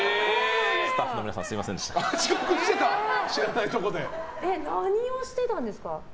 スタッフの皆さん何をしてたんですか？